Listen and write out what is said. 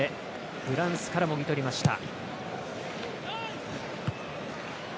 フランスからもぎ取りました。